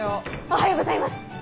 おはようございます。